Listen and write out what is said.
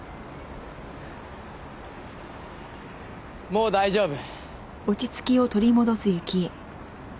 もう大丈夫。